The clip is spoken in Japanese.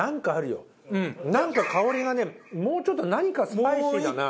なんか香りがねもうちょっと何かスパイシーだな。